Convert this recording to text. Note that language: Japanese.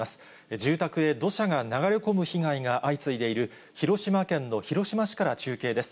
住宅へ土砂が流れ込む被害が相次いでいる、広島県の広島市から中継です。